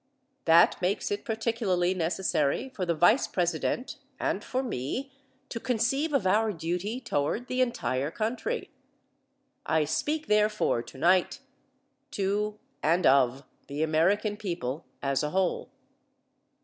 That makes it particularly necessary for the Vice President and for me to conceive of our duty toward the entire country. I speak, therefore, tonight, to and of the American people as a whole.